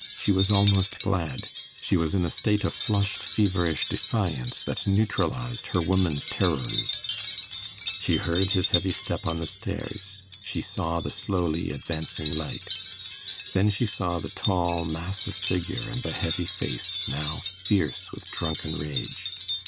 She was almost glad. She was in a state of flushed feverish defiance that neutralized her woman's terrors. She heard his heavy step on the stairs; she saw the slowly advancing light. Then she saw the tall massive figure, and the heavy face, now fierce with drunken rage.